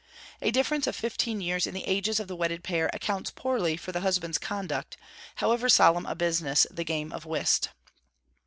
A difference of fifteen years in the ages of the wedded pair accounts poorly for the husband's conduct, however solemn a business the game of whist.